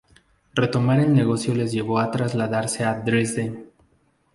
Retomar el negocio les llevó a trasladarse a Dresde.